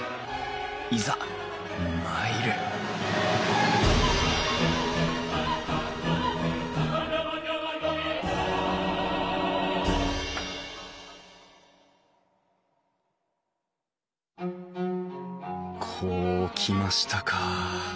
いざ参るこうきましたか。